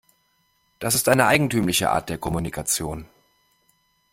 Das ist eine eigentümliche Art der Kommunikation.